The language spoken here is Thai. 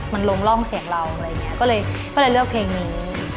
เพลงนี้ออกมาในปี๒๐๐๐